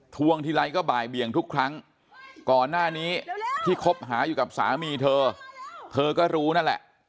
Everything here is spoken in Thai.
วงทีไรก็บ่ายเบียงทุกครั้งก่อนหน้านี้ที่คบหาอยู่กับสามีเธอเธอก็รู้นั่นแหละ